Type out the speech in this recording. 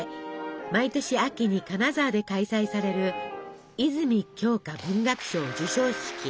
毎年秋に金沢で開催される「泉鏡花文学賞」授賞式。